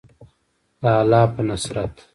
د الله په نصرت.